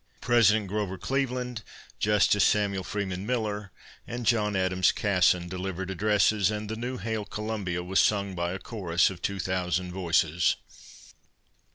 President Grover Cleveland, Justice Samuel Freeman Miller, and John Adams Kasson delivered addresses, and "The New Hail Columbia" was sung by a chorus of two thousand voices.